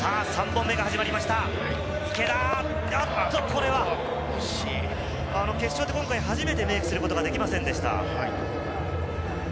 ３本目が始まりました池田、おっとこれは決勝で今回初めてメイクすることができませんでした。